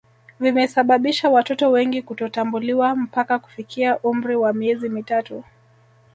vimesababisha watoto wengi kutotambuliwa mpaka kufikia umri wa miezi mitatu